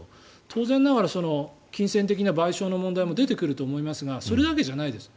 当然ながら、金銭的な賠償の問題も出てくると思いますがそれだけじゃないです。